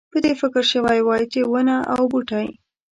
په دې فکر شوی وای چې ونه او بوټی.